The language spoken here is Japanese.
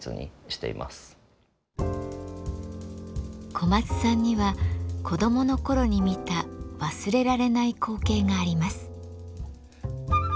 小松さんには子どもの頃に見た忘れられない光景があります。